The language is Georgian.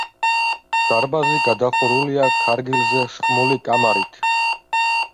დარბაზი გადახურულია ქარგილზე სხმული კამარით.